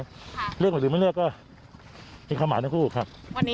แล้วก็เลือกหรือไม่เลือกมีขี้ขาวหมาน้างคู่ครับ